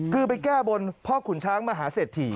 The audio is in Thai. คือไปแก้บนพ่อขุนช้างมหาเศรษฐี